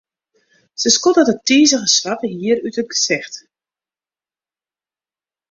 Se skoddet it tizige swarte hier út it gesicht.